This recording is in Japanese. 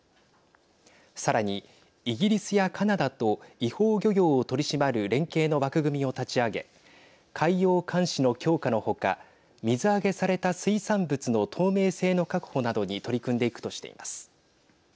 さらに、イギリスやカナダと違法漁業を取り締まる連携の枠組みを立ち上げ海洋監視の強化のほか水揚げされた水産物の透明性の確保などに取り組んでいくとしています。